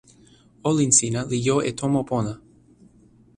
olin sina li jo e tomo pona.